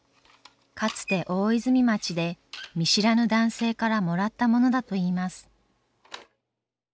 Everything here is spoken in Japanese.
かつて大泉町で見知らぬ男性からもらったものだと言います。